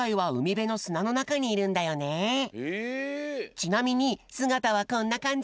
ちなみにすがたはこんなかんじ。